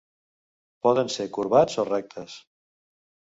Poden ser corbats o rectes.